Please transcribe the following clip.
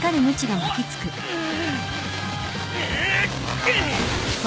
くっ！